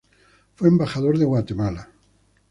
Fue embajador de Guatemala.